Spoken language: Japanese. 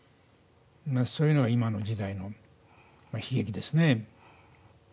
そういうのが今の時代の悲劇ですね。